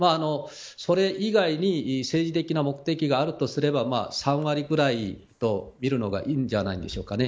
それ以外に政治的な目的があるとすれば３割くらいと見るのがいいんじゃないでしょうか。